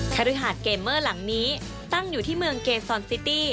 คฤหาสเกมเมอร์หลังนี้ตั้งอยู่ที่เมืองเกซอนซิตี้